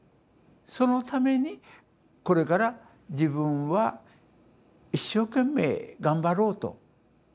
そのためにこれから自分は一生懸命頑張ろうと。